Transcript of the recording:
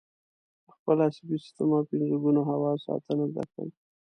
د خپل عصبي سیستم او پنځه ګونو حواسو ساتنه زده کړئ.